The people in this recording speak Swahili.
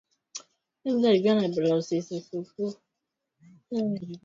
Mkutano wetu huko Marondera ulipigwa marufuku na